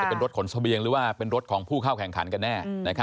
เป็นรถขนเสบียงหรือว่าเป็นรถของผู้เข้าแข่งขันกันแน่